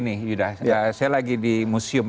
saya lagi di museum